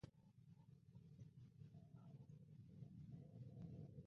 Information from World Athletics profile unless otherwise noted.